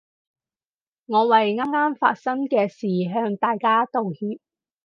我為啱啱發生嘅事向大家道歉